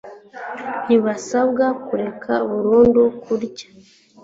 Ntibasabwa kureka burundu kurya